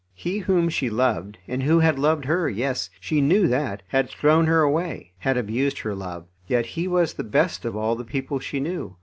He whom she loved, and who had loved her yes, she knew that had thrown her away; had abused her love. Yet he was the best of all the people she knew.